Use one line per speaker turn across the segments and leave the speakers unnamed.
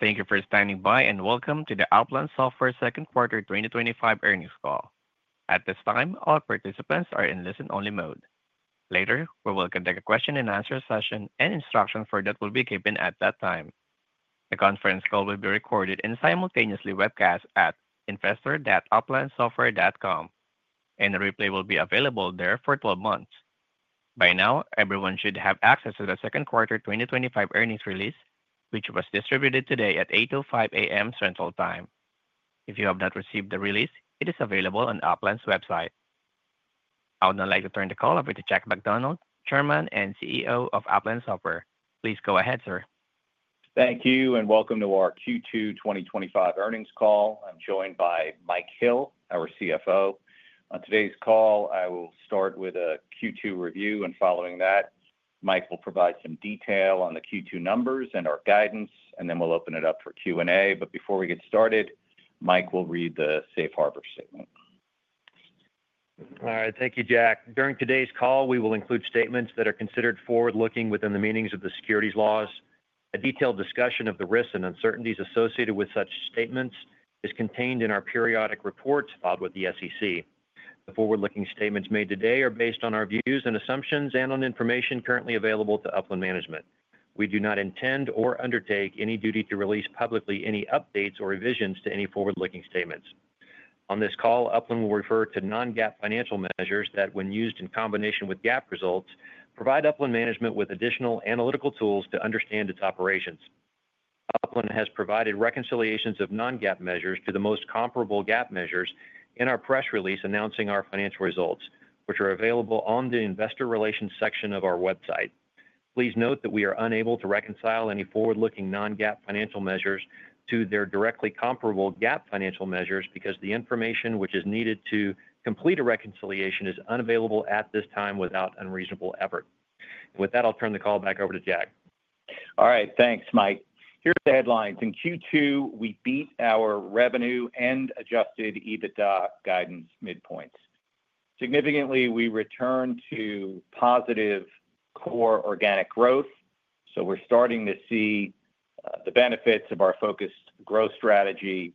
Thank you for standing by and welcome to the Upland Software second quarter 2025 earnings call. At this time, all participants are in listen-only mode. Later, we will conduct a question and answer session, and instructions for that will be given at that time. The conference call will be recorded and simultaneously webcast at investor.uplandsoftware.com, and the replay will be available there for 12 months. By now, everyone should have access to the second quarter 2025 earnings release, which was distributed today at 8:05 A.M. Central Time. If you have not received the release, it is available on Upland's website. I would now like to turn the call over to Jack McDonald, Chairman and CEO of Upland Software. Please go ahead, sir.
Thank you and welcome to our Q2 2025 earnings call. I'm joined by Mike Hill, our CFO. On today's call, I will start with a Q2 review. Following that, Mike will provide some detail on the Q2 numbers and our guidance, and then we'll open it up for Q&A. Before we get started, Mike will read the safe harbor statement.
All right, thank you, Jack. During today's call, we will include statements that are considered forward-looking within the meanings of the securities laws. A detailed discussion of the risks and uncertainties associated with such statements is contained in our periodic reports filed with the SEC. The forward-looking statements made today are based on our views and assumptions and on information currently available to Upland management. We do not intend or undertake any duty to release publicly any updates or revisions to any forward-looking statements. On this call, Upland will refer to non-GAAP financial measures that, when used in combination with GAAP results, provide Upland management with additional analytical tools to understand its operations. Upland has provided reconciliations of non-GAAP measures to the most comparable GAAP measures in our press release announcing our financial results, which are available on the investor relations section of our website. Please note that we are unable to reconcile any forward-looking non-GAAP financial measures to their directly comparable GAAP financial measures because the information which is needed to complete a reconciliation is unavailable at this time without unreasonable effort. With that, I'll turn the call back over to Jack.
All right, thanks, Mike. Here's the headlines. In Q2, we beat our revenue and adjusted EBITDA guidance mid-points. Significantly, we returned to positive core organic growth, so we're starting to see the benefits of our focused growth strategy,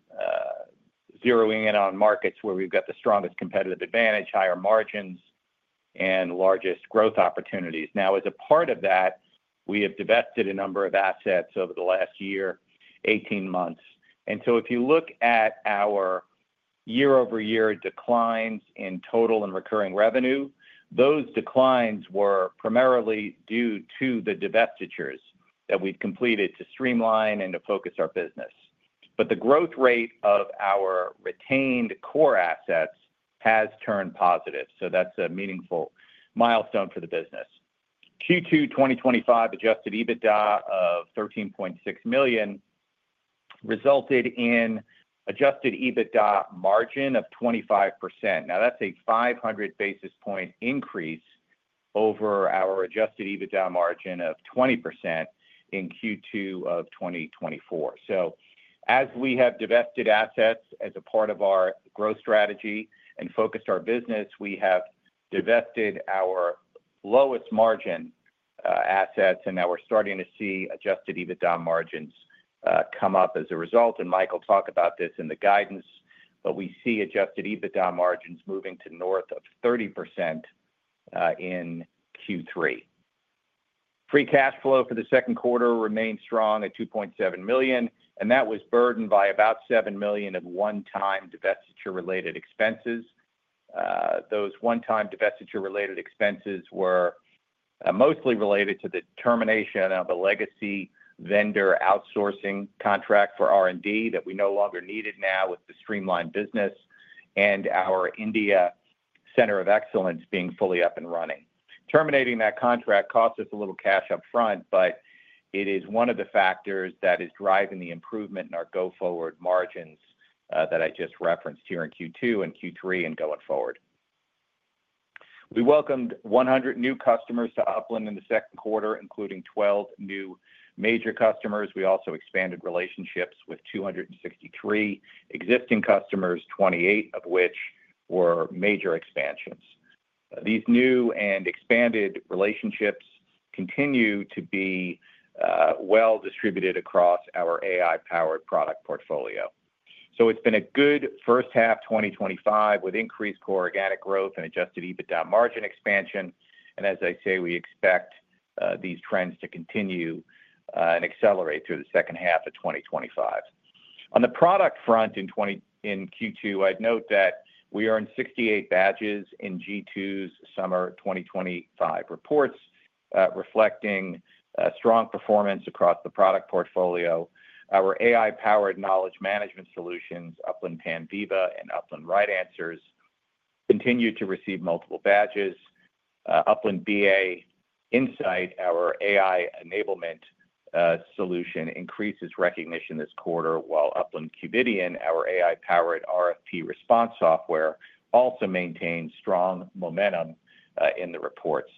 zeroing in on markets where we've got the strongest competitive advantage, higher margins, and largest growth opportunities. As a part of that, we have divested a number of assets over the last year, 18 months. If you look at our year-over-year declines in total and recurring revenue, those declines were primarily due to the divestitures that we've completed to streamline and to focus our business. The growth rate of our retained core assets has turned positive, so that's a meaningful milestone for the business. Q2 2025 adjusted EBITDA of $13.6 million resulted in an adjusted EBITDA margin of 25%. That's a 500 basis point increase over our adjusted EBITDA margin of 20% in Q2 of 2024. As we have divested assets as a part of our growth strategy and focused our business, we have divested our lowest margin assets, and now we're starting to see adjusted EBITDA margins come up as a result. Mike will talk about this in the guidance, but we see adjusted EBITDA margins moving to north of 30% in Q3. Free cash flow for the second quarter remains strong at $2.7 million, and that was burdened by about $7 million of one-time divestiture-related expenses. Those one-time divestiture-related expenses were mostly related to the termination of a legacy vendor outsourcing contract for R&D that we no longer needed now with the streamlined business and our India center of excellence being fully up and running. Terminating that contract cost us a little cash upfront, but it is one of the factors that is driving the improvement in our go-forward margins that I just referenced here in Q2 and Q3 and going forward. We welcomed 100 new customers to Upland in the second quarter, including 12 new major customers. We also expanded relationships with 263 existing customers, 28 of which were major expansions. These new and expanded relationships continue to be well distributed across our AI-powered product portfolio. It's been a good first half 2025 with increased core organic growth and adjusted EBITDA margin expansion. I expect these trends to continue and accelerate through the second half of 2025. On the product front in Q2, I'd note that we earned 68 badges in G2's summer 2025 reports, reflecting strong performance across the product portfolio. Our AI-powered knowledge management solutions, Upland Panviva and Upland RightAnswers, continue to receive multiple badges. Upland BA Insight, our AI enablement solution, increased recognition this quarter, while Upland Qvidian, our AI-powered RFP response software, also maintains strong momentum in the reports.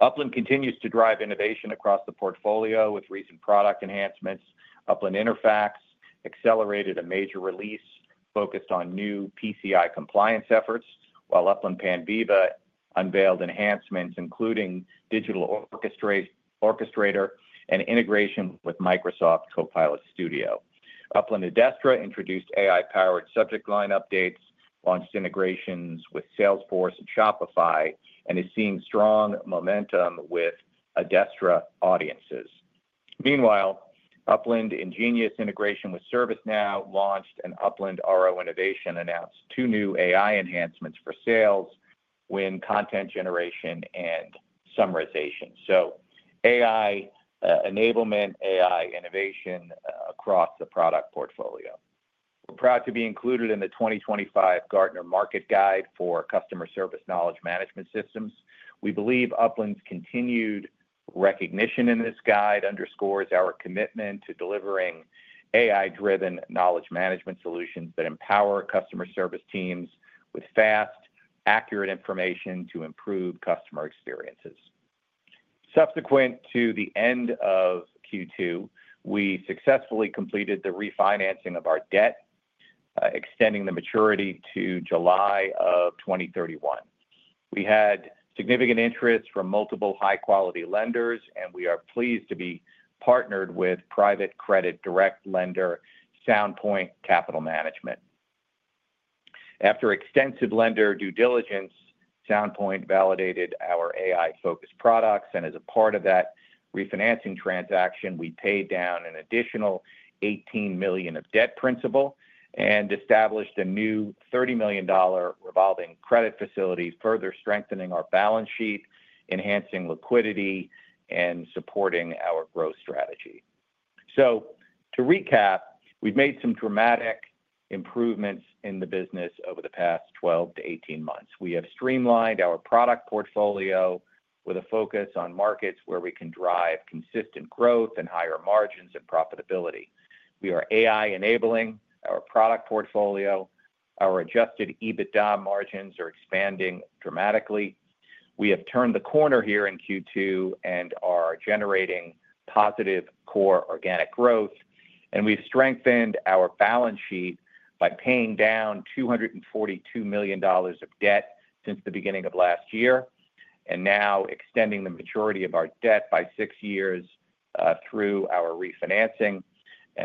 Upland continues to drive innovation across the portfolio with recent product enhancements. Upland InterFAX accelerated a major release focused on new PCI compliance efforts, while Upland Panviva unveiled enhancements including Panviva Digital Orchestrator and integration with Microsoft Copilot Studio. Upland Adestra introduced AI-powered subject line updates, launched integrations with Salesforce and Shopify, and is seeing strong momentum with Adestra audiences. Meanwhile, Upland Ingenius integration with ServiceNow launched, and Upland RO Innovation announced two new AI enhancements for sales: Win Content Generation and Summarization. AI enablement, AI innovation across the product portfolio. We're proud to be included in the 2025 Gartner Market Guide for customer service knowledge management systems. We believe Upland's continued recognition in this guide underscores our commitment to delivering AI-driven knowledge management solutions that empower customer service teams with fast, accurate information to improve customer experiences. Subsequent to the end of Q2, we successfully completed the refinancing of our debt, extending the maturity to July of 2031. We had significant interest from multiple high-quality lenders, and we are pleased to be partnered with private credit direct lender Sound Point Capital Management. After extensive lender due diligence, Sound Point validated our AI-focused products, and as a part of that refinancing transaction, we paid down an additional $18 million of debt principal and established a new $30 million revolving credit facility, further strengthening our balance sheet, enhancing liquidity, and supporting our growth strategy. To recap, we've made some dramatic improvements in the business over the past 12 to 18 months. We have streamlined our product portfolio with a focus on markets where we can drive consistent growth and higher margins and profitability. We are AI-enabling our product portfolio. Our adjusted EBITDA margins are expanding dramatically. We have turned the corner here in Q2 and are generating positive core organic growth. We have strengthened our balance sheet by paying down $242 million of debt since the beginning of last year and now extending the majority of our debt by six years through our refinancing.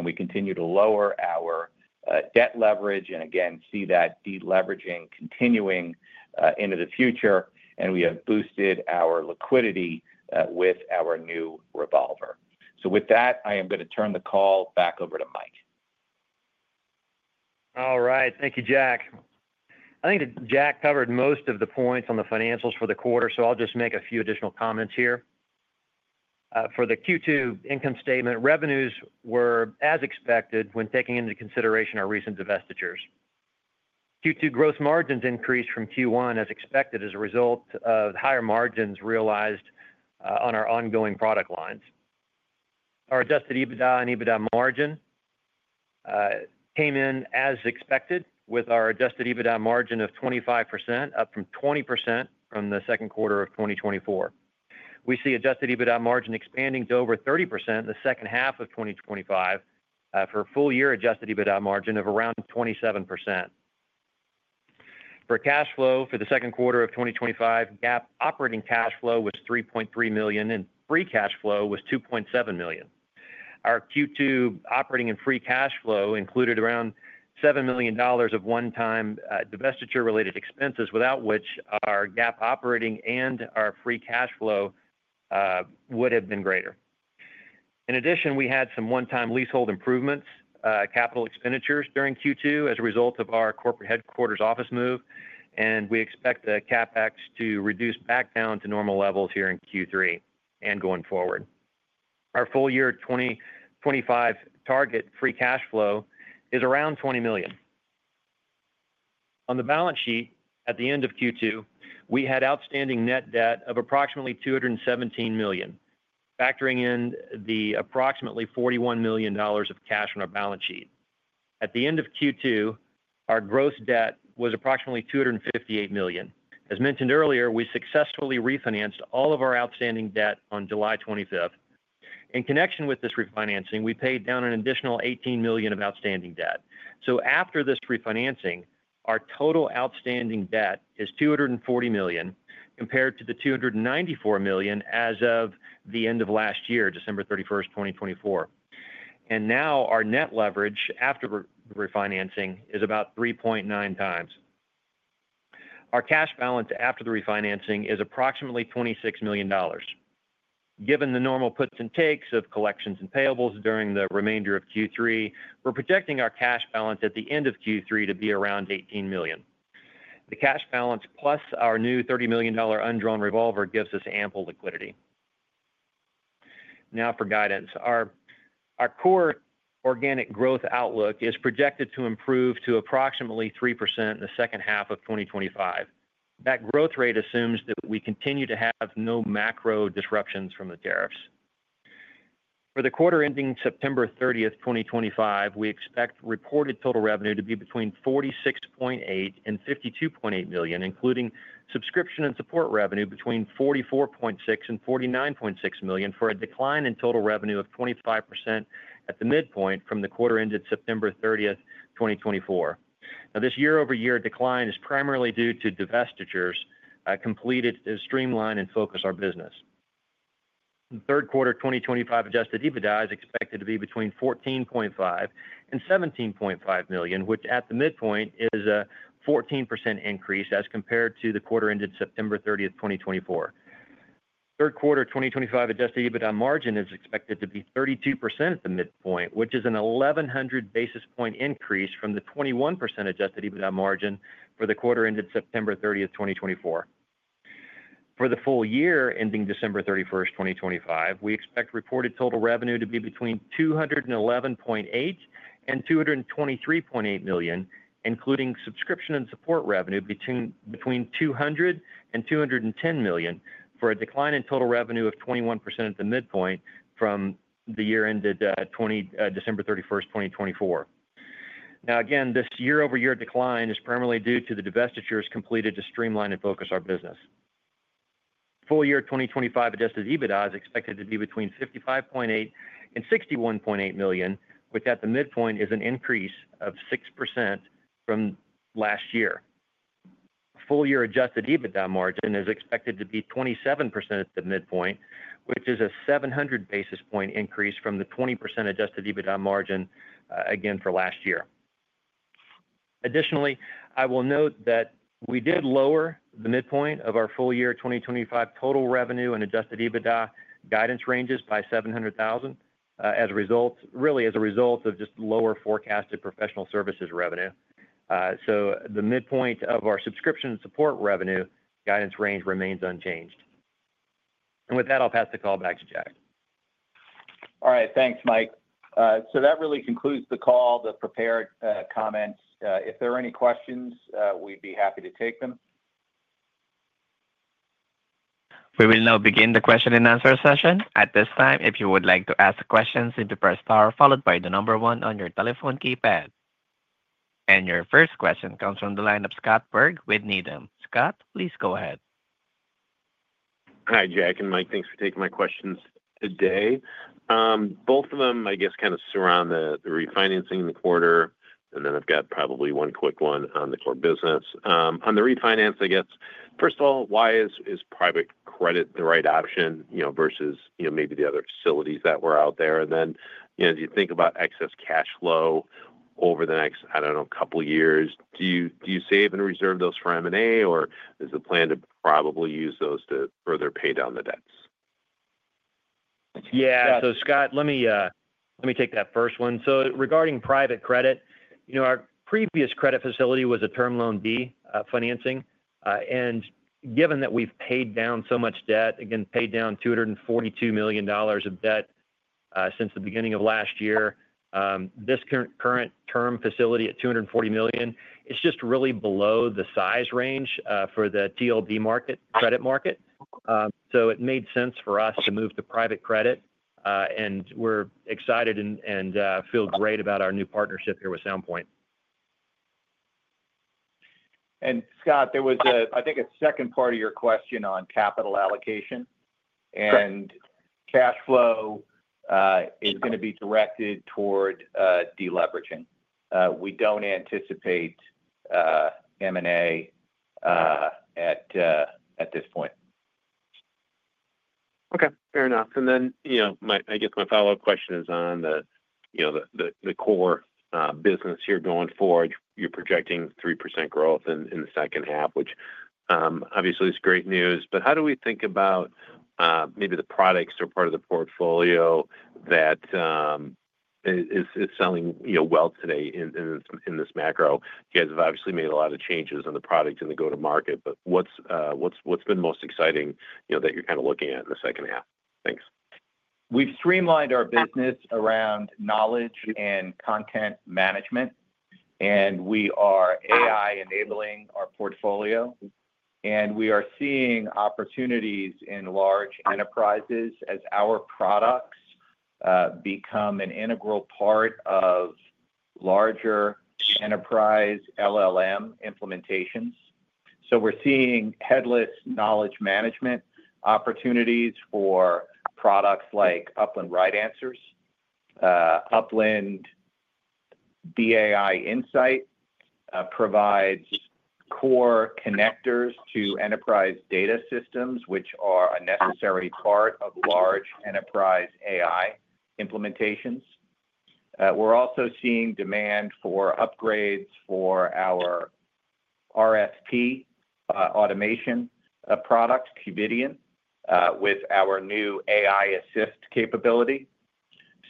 We continue to lower our debt leverage and see that deleveraging continuing into the future. We have boosted our liquidity with our new revolver. With that, I am going to turn the call back over to Mike.
All right, thank you, Jack. I think that Jack covered most of the points on the financials for the quarter, so I'll just make a few additional comments here. For the Q2 income statement, revenues were as expected when taking into consideration our recent divestitures. Q2 gross margins increased from Q1 as expected as a result of higher margins realized on our ongoing product lines. Our adjusted EBITDA and EBITDA margin came in as expected with our adjusted EBITDA margin of 25%, up from 20% from the second quarter of 2024. We see adjusted EBITDA margin expanding to over 30% in the second half of 2025 for a full year adjusted EBITDA margin of around 27%. For cash flow for the second quarter of 2025, GAAP operating cash flow was $3.3 million and free cash flow was $2.7 million. Our Q2 operating and free cash flow included around $7 million of one-time divestiture-related expenses, without which our GAAP operating and our free cash flow would have been greater. In addition, we had some one-time leasehold improvements, capital expenditures during Q2 as a result of our corporate headquarters office move, and we expect the CapEx to reduce back down to normal levels here in Q3 and going forward. Our full year 2025 target free cash flow is around $20 million. On the balance sheet at the end of Q2, we had outstanding net debt of approximately $217 million, factoring in the approximately $41 million of cash on our balance sheet. At the end of Q2, our gross debt was approximately $258 million. As mentioned earlier, we successfully refinanced all of our outstanding debt on July 25th. In connection with this refinancing, we paid down an additional $18 million of outstanding debt. After this refinancing, our total outstanding debt is $240 million compared to the $294 million as of the end of last year, December 31st, 2024. Now our net leverage after the refinancing is about 3.9 times. Our cash balance after the refinancing is approximately $26 million. Given the normal puts and takes of collections and payables during the remainder of Q3, we're projecting our cash balance at the end of Q3 to be around $18 million. The cash balance plus our new $30 million undrawn revolver gives us ample liquidity. Now for guidance, our core organic growth outlook is projected to improve to approximately 3% in the second half of 2025. That growth rate assumes that we continue to have no macro disruptions from the tariffs. For the quarter ending September 30, 2025, we expect reported total revenue to be between $46.8 and $52.8 million, including subscription and support revenue between $44.6 and $49.6 million, for a decline in total revenue of 25% at the midpoint from the quarter ended September 30, 2024. This year-over-year decline is primarily due to divestitures completed to streamline and focus our business. The third quarter 2025 adjusted EBITDA is expected to be between $14.5 and $17.5 million, which at the midpoint is a 14% increase as compared to the quarter ended September 30, 2024. Third quarter 2025 adjusted EBITDA margin is expected to be 32% at the midpoint, which is a 1,100 basis point increase from the 21% adjusted EBITDA margin for the quarter ended September 30, 2024. For the full year ending December 31, 2025, we expect reported total revenue to be between $211.8 and $223.8 million, including subscription and support revenue between $200 and $210 million, for a decline in total revenue of 21% at the midpoint from the year ended December 31, 2024. Again, this year-over-year decline is primarily due to the divestitures completed to streamline and focus our business. Full year 2025 adjusted EBITDA is expected to be between $55.8 and $61.8 million, which at the midpoint is an increase of 6% from last year. Full year adjusted EBITDA margin is expected to be 27% at the midpoint, which is a 700 basis point increase from the 20% adjusted EBITDA margin again for last year. Additionally, I will note that we did lower the midpoint of our full year 2025 total revenue and adjusted EBITDA guidance ranges by $700,000 as a result, really as a result of just lower forecasted professional services revenue. The midpoint of our subscription and support revenue guidance range remains unchanged. With that, I'll pass the call back to Jack.
All right, thanks, Mike. That really concludes the call, the prepared comments. If there are any questions, we'd be happy to take them.
We will now begin the question and answer session. At this time, if you would like to ask questions, simply press star followed by the number one on your telephone keypad. Your first question comes from the line of Scott Berg with Needham. Scott, please go ahead.
Hi, Jack and Mike, thanks for taking my questions today. Both of them, I guess, kind of surround the refinancing in the quarter, and then I've got probably one quick one on the core business. On the refinance, first of all, why is private credit the right option, you know, versus, you know, maybe the other facilities that were out there? As you think about excess cash flow over the next, I don't know, a couple of years, do you save and reserve those for M&A, or is the plan to probably use those to further pay down the debts?
Yeah, Scott, let me take that first one. Regarding private credit, our previous credit facility was a term loan B financing. Given that we've paid down so much debt, paid down $242 million of debt since the beginning of last year, this current term facility at $240 million is just really below the size range for the TLB market, credit market. It made sense for us to move to private credit, and we're excited and feel great about our new partnership here with Sound Point.
There was a second part of your question on capital allocation, and cash flow is going to be directed toward deleveraging. We don't anticipate M&A at this point.
Okay, fair enough. I guess my follow-up question is on the core business here going forward. You're projecting 3% growth in the second half, which obviously is great news. How do we think about maybe the products or part of the portfolio that is selling well today in this macro? You guys have obviously made a lot of changes on the product and the go-to-market, but what's been most exciting that you're kind of looking at in the second half? Thanks.
We've streamlined our business around knowledge and content management, and we are AI-enabling our portfolio, and we are seeing opportunities in large enterprises as our products become an integral part of larger enterprise LLM implementations. We're seeing headless knowledge management opportunities for products like Upland RightAnswers. Upland BA Insight provides core connectors to enterprise data systems, which are a necessary part of large enterprise AI implementations. We're also seeing demand for upgrades for our RFP automation product, Upland Qvidian, with our new AI Assist capability.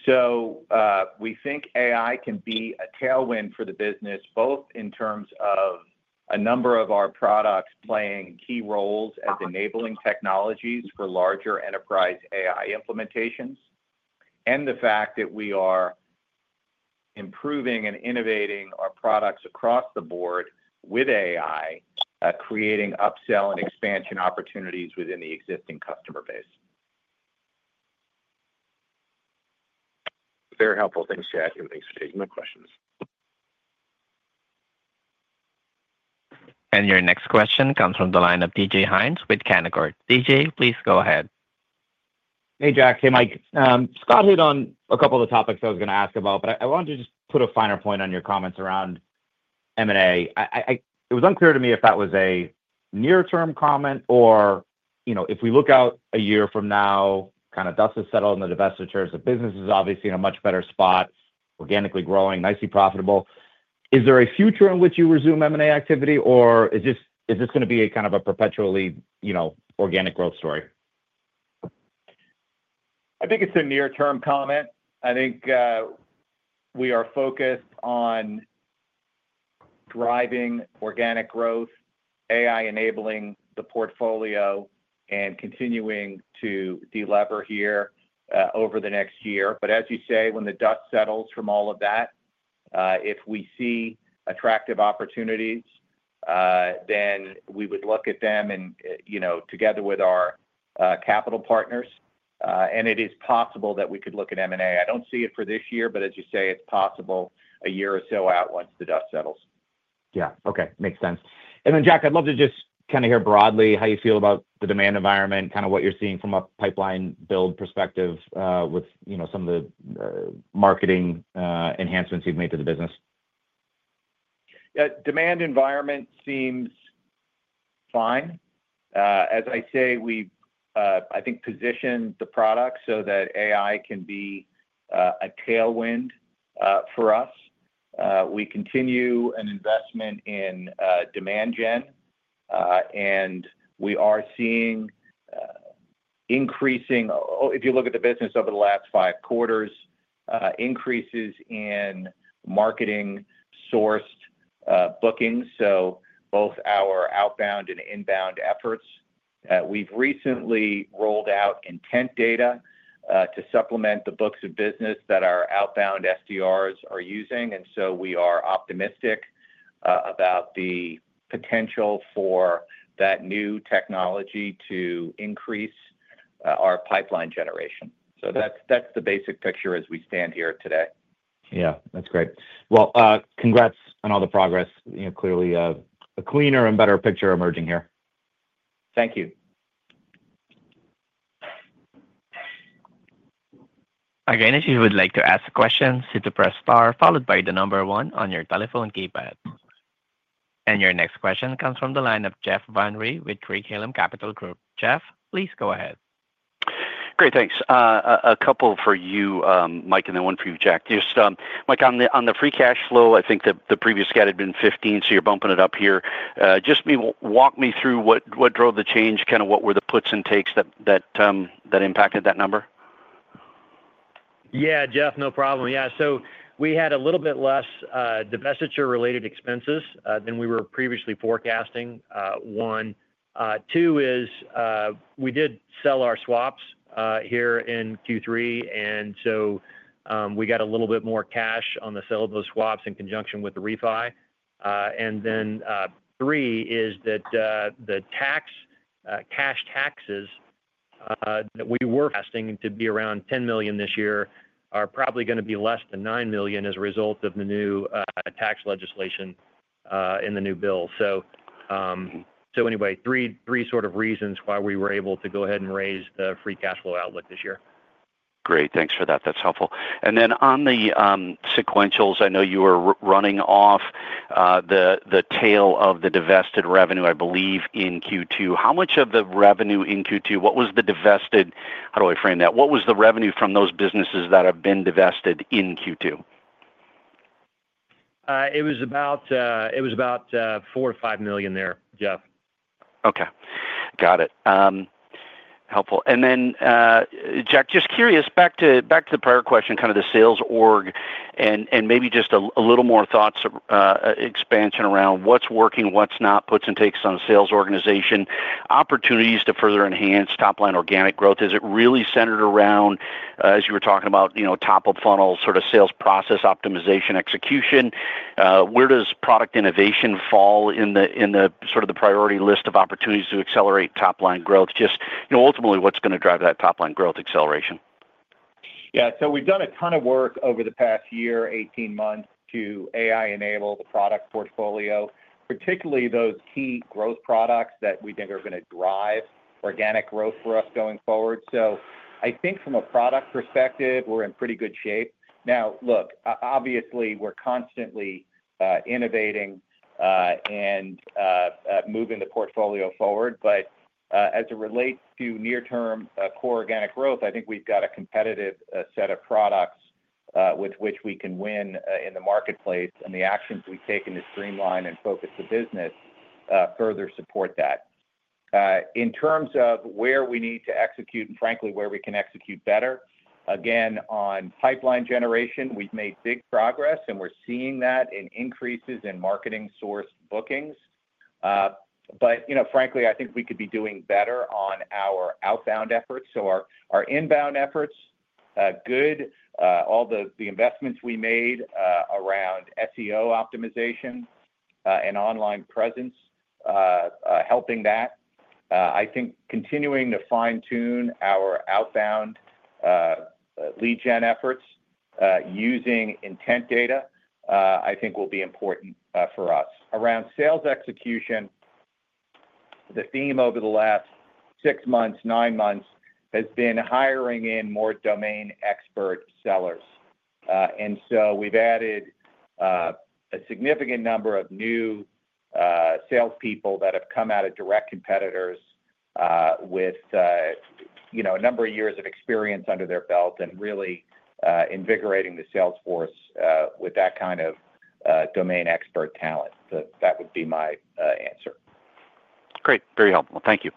We think AI can be a tailwind for the business, both in terms of a number of our products playing key roles as enabling technologies for larger enterprise AI implementations, and the fact that we are improving and innovating our products across the board with AI, creating upsell and expansion opportunities within the existing customer base.
Very helpful. Thanks, Jack, and thanks for taking my questions.
Your next question comes from the line of DJ Hynes with Canaccord. DJ, please go ahead.
Hey, Jack. Hey, Mike. Scott hit on a couple of the topics I was going to ask about, but I wanted to just put a finer point on your comments around M&A. It was unclear to me if that was a near-term comment or, you know, if we look out a year from now, kind of dust is settled in the divestitures, the business is obviously in a much better spot, organically growing, nicely profitable. Is there a future in which you resume M&A activity, or is this going to be a kind of a perpetually, you know, organic growth story?
I think it's a near-term comment. I think we are focused on driving organic growth, AI-enabling the portfolio, and continuing to delever here over the next year. As you say, when the dust settles from all of that, if we see attractive opportunities, then we would look at them together with our capital partners, and it is possible that we could look at M&A. I don't see it for this year, but as you say, it's possible a year or so out once the dust settles.
Okay, makes sense. Jack, I'd love to just kind of hear broadly how you feel about the demand environment, kind of what you're seeing from a pipeline build perspective with, you know, some of the marketing enhancements you've made to the business.
Yeah, demand environment seems fine. As I say, we, I think, positioned the product so that AI can be a tailwind for us. We continue an investment in demand gen, and we are seeing increasing, if you look at the business over the last five quarters, increases in marketing-sourced bookings. Both our outbound and inbound efforts, we've recently rolled out intent data to supplement the books of business that our outbound SDRs are using. We are optimistic about the potential for that new technology to increase our pipeline generation. That's the basic picture as we stand here today.
Yeah, that's great. Congrats on all the progress. You know, clearly a cleaner and better picture emerging here.
Thank you.
Again, if you would like to ask a question, simply press star followed by the number one on your telephone keypad. Your next question comes from the line of Jeff Van Rhee with Craig-Hallum Capital Group. Jeff, please go ahead.
Great, thanks. A couple for you, Mike, and then one for you, Jack. Mike, on the free cash flow, I think the previous scan had been $15 million, so you're bumping it up here. Just walk me through what drove the change, kind of what were the puts and takes that impacted that number?
Yeah, Jeff, no problem. We had a little bit less divestiture-related expenses than we were previously forecasting, one. Two is we did sell our swaps here in Q3, and we got a little bit more cash on the sale of those swaps in conjunction with the refi. Three is that the cash taxes that we were investing to be around $10 million this year are probably going to be less than $9 million as a result of the new tax legislation in the new bill. Anyway, three sort of reasons why we were able to go ahead and raise the free cash flow outlook this year.
Great, thanks for that. That's helpful. On the sequentials, I know you were running off the tail of the divested revenue, I believe, in Q2. How much of the revenue in Q2, what was the divested, how do I frame that, what was the revenue from those businesses that have been divested in Q2?
It was about $4 million or $5 million there, Jeff.
Okay, got it. Helpful. Jack, just curious, back to the prior question, kind of the sales org and maybe just a little more thoughts of expansion around what's working, what's not, puts and takes on the sales organization, opportunities to further enhance top-line organic growth. Is it really centered around, as you were talking about, you know, top-of-funnel sort of sales process optimization execution? Where does product innovation fall in the sort of the priority list of opportunities to accelerate top-line growth? Ultimately, what's going to drive that top-line growth acceleration?
Yeah, so we've done a ton of work over the past year, 18 months, to AI-enable the product portfolio, particularly those key growth products that we think are going to drive organic growth for us going forward. I think from a product perspective, we're in pretty good shape. Now, look, obviously we're constantly innovating and moving the portfolio forward. As it relates to near-term core organic growth, I think we've got a competitive set of products with which we can win in the marketplace. The actions we've taken to streamline and focus the business further support that. In terms of where we need to execute and frankly where we can execute better, again, on pipeline generation, we've made big progress and we're seeing that in increases in marketing-sourced bookings. Frankly, I think we could be doing better on our outbound efforts. Our inbound efforts, good, all the investments we made around SEO optimization and online presence, helping that. I think continuing to fine-tune our outbound lead gen efforts using intent data, I think, will be important for us. Around sales execution, the theme over the last six months, nine months, has been hiring in more domain expert sellers. We've added a significant number of new salespeople that have come out of direct competitors with a number of years of experience under their belt and really invigorating the salesforce with that kind of domain expert talent. That would be my answer.
Great, very helpful. Thank you.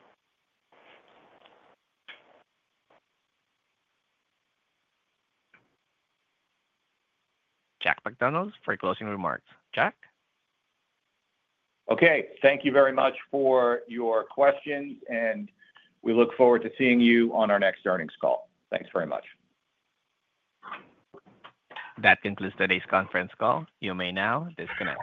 Jack McDonald for closing remarks. Jack?
Okay, thank you very much for your questions, and we look forward to seeing you on our next earnings call. Thanks very much.
That concludes today's conference call. You may now disconnect.